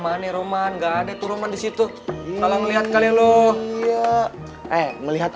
mane roman gak ada turunan disitu kalau melihat kalian loh melihat